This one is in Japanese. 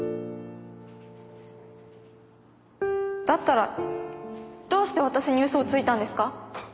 だったらどうして私に嘘をついたんですか？